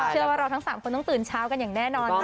เชื่อว่าเราทั้ง๓คนต้องตื่นเช้ากันอย่างแน่นอนค่ะ